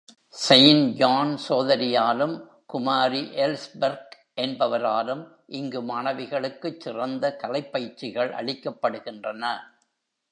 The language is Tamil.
செயிண்ட் ஜான் சோதரியாலும், குமாரி எல்ஸ்பெர்க் என்பவராலும் இங்கு மாணவிகளுக்குச் சிறந்த கலைப் பயிற்சிகள் அளிக்கப்படுகின்றன.